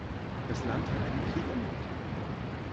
Das Land hat einen Krieg erlebt.